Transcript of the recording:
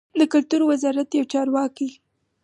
د کلتور وزارت یو چارواکي